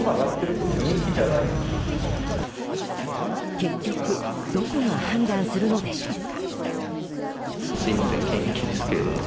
結局、どこが判断するのでしょうか。